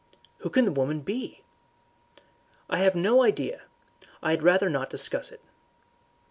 "Who can the woman be?" "I have no idea. I had rather not discuss it."